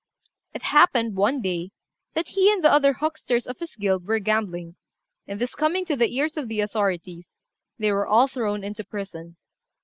It happened, one day, that he and the other hucksters of his guild were gambling; and this coming to the ears of the authorities, they were all thrown into prison.